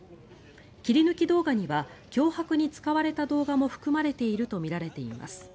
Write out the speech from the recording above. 切り抜き動画には脅迫に使われた動画も含まれているとみられています。